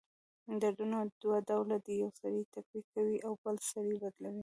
دردونه دوه ډؤله دی: یؤ سړی ټپي کوي اؤ بل سړی بدلؤي.